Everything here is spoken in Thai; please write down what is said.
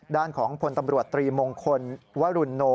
ด้านของพลตำรวจตรีมงคลวรุโน